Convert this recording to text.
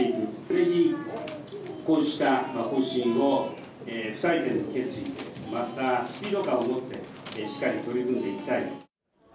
ぜひ、こうした方針を不退転の決意で、またスピード感を持ってしっかり取り組んでいきたい。